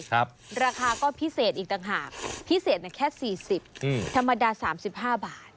ราคาก็พิเศษอีกต่างหากพิเศษแค่๔๐ธรรมดา๓๕บาท